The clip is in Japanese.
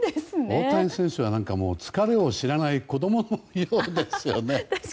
大谷選手は疲れを知らない子供のようですよね。